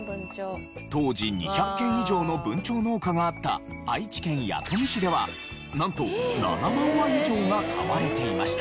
当時２００軒以上の文鳥農家があった愛知県弥富市ではなんと７万羽以上が飼われていました。